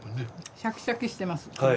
シャキシャキしてます。